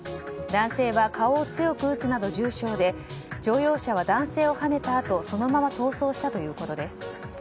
男性は、顔を強く打つなど重傷で乗用車は男性をはねたあとそのまま逃走したということです。